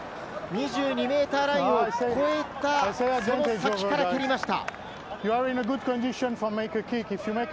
２２ｍラインを越えたその先から蹴りました。